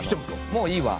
もういいわ。